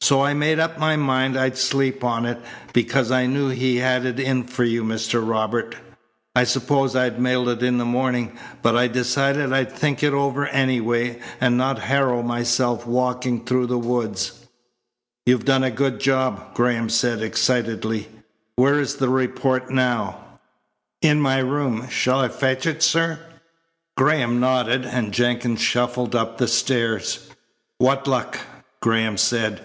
So I made up my mind I'd sleep on it, because I knew he had it in for you, Mr. Robert. I supposed I'd mail it in the morning, but I decided I'd think it over anyway and not harrow myself walking through the woods." "You've done a good job," Graham said excitedly. "Where is the report now?" "In my room. Shall I fetch it, sir?" Graham nodded, and Jenkins shuffled up the stairs. "What luck!" Graham said.